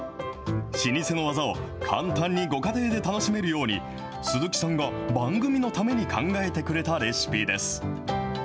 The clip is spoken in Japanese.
老舗の技を簡単にご家庭で楽しめるように、鈴木さんが番組のために考えてくれたレシピです。